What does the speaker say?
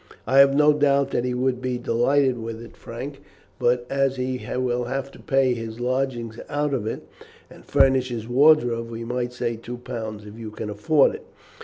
"I have no doubt that he would be delighted with it, Frank, but as he will have to pay his lodgings out of it and furnish his wardrobe, we might say two pounds, if you can afford it."